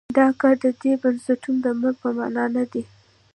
دا کار د دې بنسټونو د مرګ په معنا نه دی.